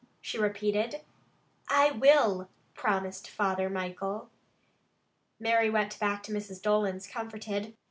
she repeated. "I will," promised Father Michael. Mary went back to Mrs. Dolan's comforted.